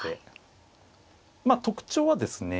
まあ特徴はですね